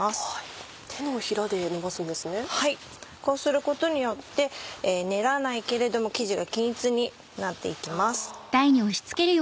こうすることによって練らないけれども生地が均一になって行きます。